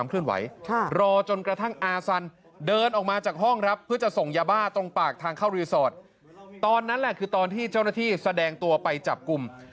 ตอนนั้นแหละคือตอนที่เจ้าหน้าที่แสดงตัวไปจับกลุ่ม